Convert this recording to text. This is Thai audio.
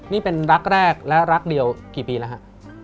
นี่เป็นรักแรกและรักเดียวกี่ปีแล้วฮะ